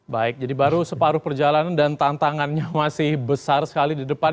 baik jadi baru separuh perjalanan dan tantangannya masih besar sekali di depan